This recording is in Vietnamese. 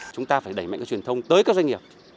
chúng ta phải đẩy mạnh cái truyền thông tới các doanh nghiệp